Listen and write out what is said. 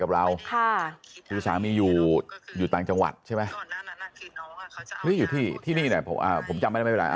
กับเราค่ะสามีอยู่ต่างจังหวัดใช่ไหมที่นี่ผมจำไม่ได้